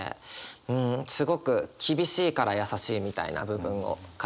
うんすごく厳しいから優しいみたいな部分を勝手に受けました。